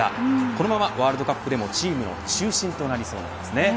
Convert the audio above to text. このままワールドカップでもチームの中心となりそうです。